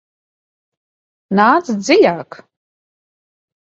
Nāc dziļāk!